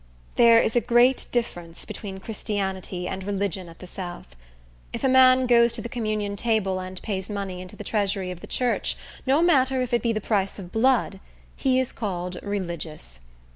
There is a great difference between Christianity and religion at the south. If a man goes to the communion table, and pays money into the treasury of the church, no matter if it be the price of blood, he is called religious.